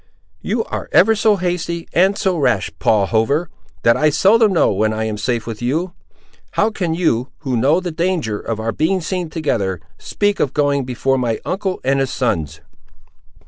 "You are ever so hasty and so rash, Paul Hover, that I seldom know when I am safe with you. How can you, who know the danger of our being seen together, speak of going before my uncle and his sons?"